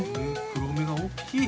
◆黒目が大きい。